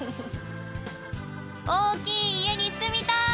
大きい家に住みたい！